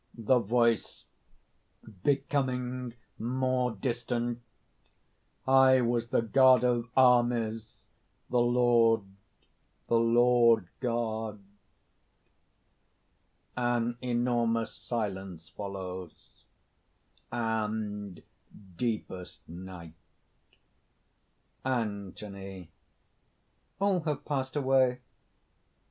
(The voice, becoming more distant): "I was the God of Armies; the Lord, the Lord God!" (An enormous silence follows, and deepest night.) ANTHONY. "All have passed away!"